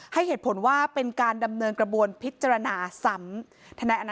ให้เหตุผลว่าเป็นการดำเนินกระบวนพิจารณาซ้ำ